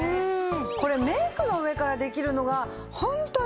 これメイクの上からできるのがホントありがたいです。